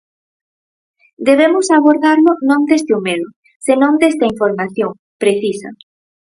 "Debemos abordalo non desde o medo, senón desde a información", precisa.